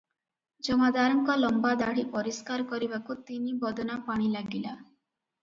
ଜମାଦାରଙ୍କ ଲମ୍ବାଦାଢ଼ି ପରିଷ୍କାର କରିବାକୁ ତିନି ବଦନା ପାଣି ଲାଗିଲା ।